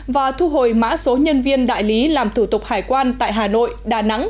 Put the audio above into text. và thu hồi mã số nhân viên đại lý làm thủ tục hải quan tại hà nội đà nẵng